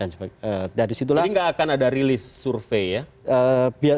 jadi tidak akan ada rilis survei ya